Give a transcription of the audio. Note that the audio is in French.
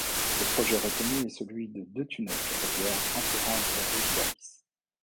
Le projet retenu est celui de deux tunnels ferroviaires entourant une galerie de service.